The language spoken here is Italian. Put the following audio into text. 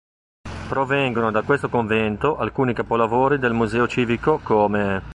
Provengono da questo convento alcuni capolavori del Museo civico, come